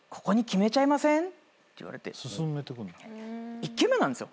１件目なんですよ。